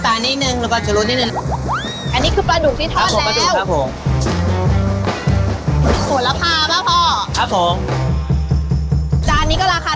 บามิกมันจะสูดง่ายกว่า